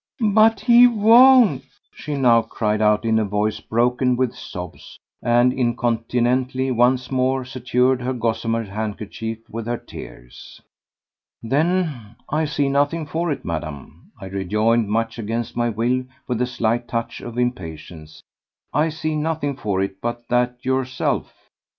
"But he won't!" she now cried out in a voice broken with sobs, and incontinently once more saturated her gossamer handkerchief with her tears. "Then I see nothing for it, Madame," I rejoined, much against my will with a slight touch of impatience, "I see nothing for it but that yourself .